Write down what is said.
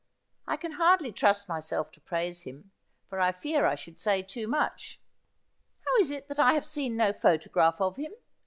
' I can hardly trust myself to praise him, for fear I should say too much.' ' How is it that I have seen no photograph of him